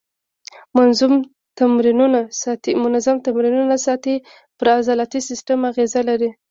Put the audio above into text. منظم تمرینونه ستاسې پر عضلاتي سیستم اغېزه لري.